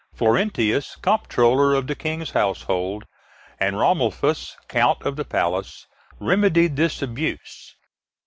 Florentius, comptroller of the King's household, and Romulfus, count of the palace, remedied this abuse.